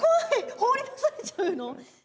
放り出されちゃうの！？